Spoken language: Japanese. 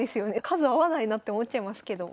数合わないなって思っちゃいますけど。